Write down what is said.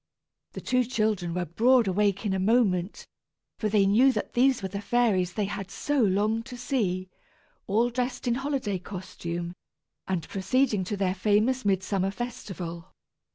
The two children were broad awake in a moment, for they knew that these were the fairies they had so longed to see, all dressed in holiday costume, and proceeding to their famous midsummer festival.